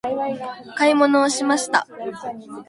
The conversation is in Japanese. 買い物をしました。